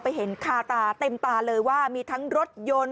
เห็นคาตาเต็มตาเลยว่ามีทั้งรถยนต์